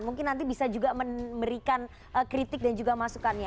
mungkin nanti bisa juga memberikan kritik dan juga masukannya